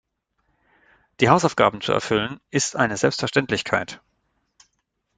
Die Hausaufgaben zu erfüllen, ist eine Selbstverständlichkeit.